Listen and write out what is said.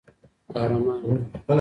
قهرمان